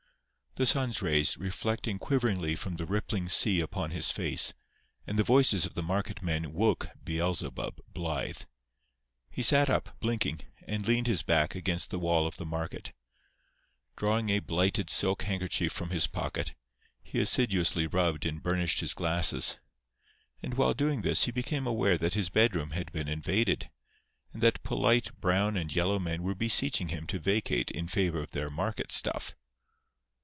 The sun's rays, reflecting quiveringly from the rippling sea upon his face, and the voices of the market men woke "Beelzebub" Blythe. He sat up, blinking, and leaned his back against the wall of the market. Drawing a blighted silk handkerchief from his pocket, he assiduously rubbed and burnished his glasses. And while doing this he became aware that his bedroom had been invaded, and that polite brown and yellow men were beseeching him to vacate in favour of their market stuff.